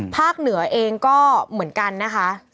เหนือเองก็เหมือนกันนะคะ